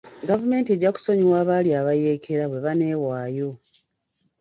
Gavumenti ejja kusonyiwa abaali abayekera bwe baneewaayo.